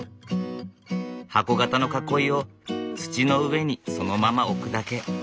箱形の囲いを土の上にそのまま置くだけ。